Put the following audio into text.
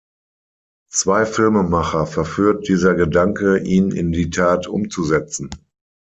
Zwei Filmemacher verführt dieser Gedanke, ihn in die Tat umzusetzen.